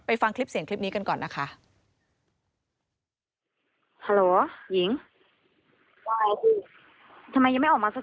นายสุรพนธ์ดาราคำในอ๊อฟวัย๒๓ปี